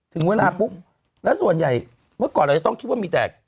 ถึงเวลาปุ๊บแล้วส่วนใหญ่เมื่อก่อนเราจะต้องคิดว่ามีแต่